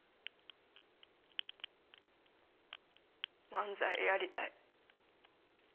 漫才やりたい。